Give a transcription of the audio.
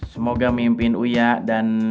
semoga mimpin uya dan